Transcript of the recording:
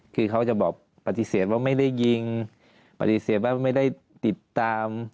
คือเขาจะบอกปฏิเสธว่าไม่ได้ยิงปฏิเสธว่าไม่ได้ติดตาม